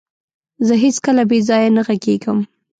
زه هيڅکله بيځايه نه غږيږم.